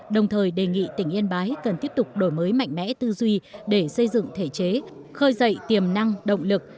đồng thời đề nghị tỉnh yên bái cần tiếp tục đổi mới mạnh mẽ tư duy để xây dựng thể chế khơi dậy tiềm năng động lực